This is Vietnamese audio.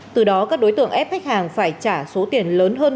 từ đó các đối tượng ép khách hàng phải trả số tiền lớn hơn